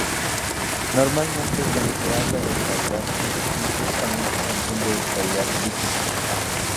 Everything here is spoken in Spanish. Normalmente, cuando se habla de caudal, implícitamente se entiende el caudal líquido.